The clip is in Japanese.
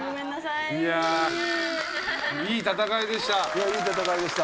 いやぁいい戦いでした。